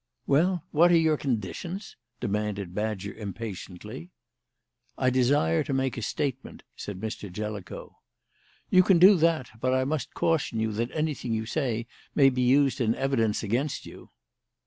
"Well, what are your conditions?" demanded Badger impatiently. "I desire to make a statement," said Mr. Jellicoe. "You can do that, but I must caution you that anything you say may be used in evidence against you."